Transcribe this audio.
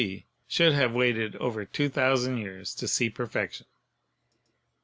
C.), should have waited over 2,000 years to see perfection.